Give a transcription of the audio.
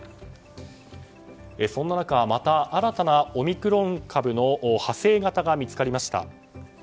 そんな中また新たなオミクロン株の派生型が見つかりました。